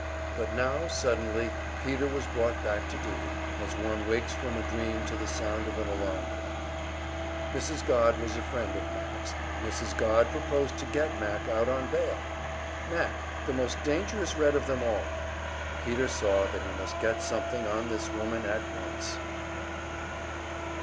But now suddenly, Peter was brought back to duty, as one wakes from a dream to the sound of an alarm clock. Mrs. Godd was a friend of Mac's, Mrs. Godd proposed to get Mac out on bail! Mac, the most dangerous Red of them all! Peter saw that he must get something on this woman at once!